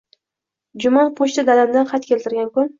Juman «pochta» dadamdan xat keltirgan kun